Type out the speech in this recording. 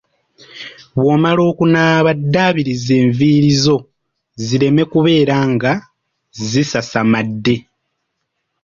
Bw'omala okunaaba ddaabiriza enviiri zo zireme kubeea nga zisasamadde.